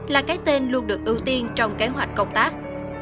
là cái tên luôn được ưu tiên trong kế hoạch công tác